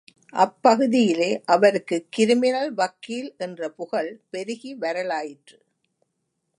அப்பகுதியிலே அவருக்கு கிரிமினல் வக்கீல் என்ற புகழ் பெருகி வரலாயிற்று.